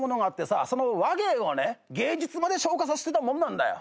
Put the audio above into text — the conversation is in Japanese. その話芸を芸術まで昇華させてたもんなんだよ。